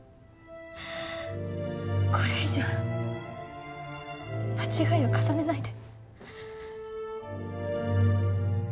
これ以上間違いを重ねないで。